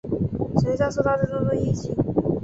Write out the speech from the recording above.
身上受到重重一击